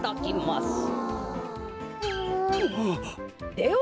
では。